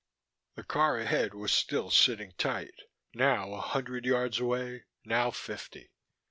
The car ahead was still sitting tight, now a hundred yards away, now fifty.